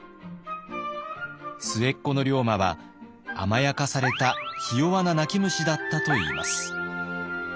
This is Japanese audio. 末っ子の龍馬は甘やかされたひ弱な泣き虫だったといいます。